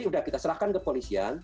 sudah kita serahkan ke polisian